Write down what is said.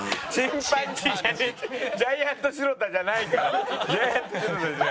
ジャイアント白田じゃないから。